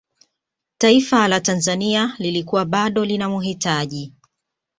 taifa la tanzania lilikuwa bado linamhitaji